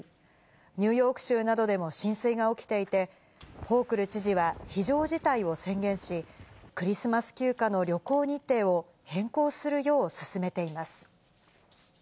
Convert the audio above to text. ニューヨーク州などでも浸水が起きていて、ホークル知事は非常事態を宣言し、クリスマス休暇の旅行日程を変更するよう勧めています。